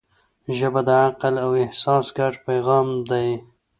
ژبه د عقل او احساس ګډ پیغام دی